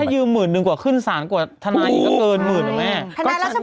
ถ้ายืมหมื่นหนึ่งกว่าขึ้นสารกว่าทนายก็เกินหมื่นหรือไหม